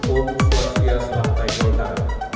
om swastika selangkai golkar